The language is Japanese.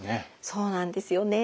そうなんですよね。